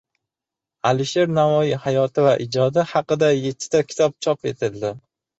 Alisher Navoiy hayoti va ijodi haqida yettita kitob chop etildi